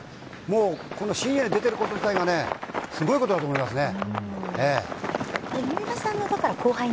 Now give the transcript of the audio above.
このシニアに出ていること自体がすごいことだと思います。